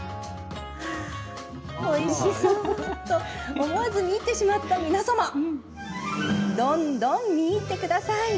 おいしそう！と思わず見入ってしまった皆様どんどん見入ってください。